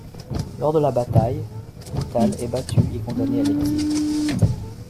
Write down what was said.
Lors de la bataille, Uthal est battu et condamné à l'exil.